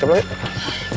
kepala pemain yo